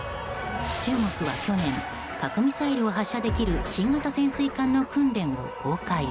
中国は去年、核ミサイルを発射できる新型潜水艦の訓練を公開。